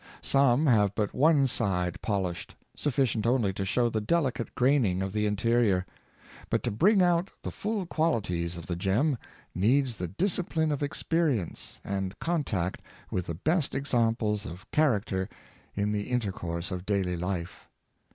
Some have but one side polished, sufficient only to show the delicate graining of the interior; but to bring out the full quali fies of the gem needs the discipline of experience, and Instinctive Tact of Women. 531 contact with the best examples of character in the in tercourse of daily life.